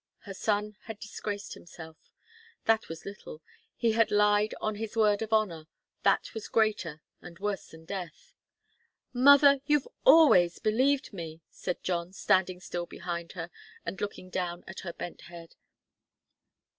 Her son had disgraced himself that was little; he had lied on his word of honour that was greater and worse than death. "Mother, you've always believed me," said John, standing still behind her and looking down at her bent head.